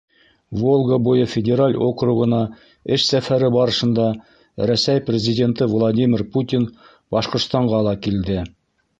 Волга буйы федераль округына эш сәфәре барышында Рәсәй Президенты Владимир Путин Башҡортостанға ла килде.